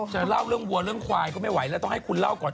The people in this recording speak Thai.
จะเล่าเรื่องวัวเรื่องควายก็ไม่ไหวแล้วต้องให้คุณเล่าก่อน